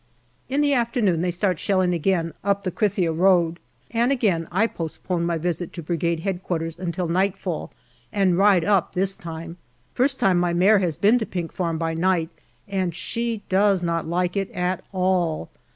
In the afternoon they start shelling again up the Krithia road, and again I postpone my visit to Brigade H.Q. until nightfall, and ride up this time. First time my mare has been to Pink Farm by night, and she does not like it at all.